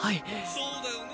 そうだよね？